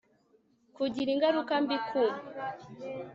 kugira ingaruka mbi ku